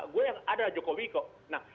gue yang ada jokowi kok nah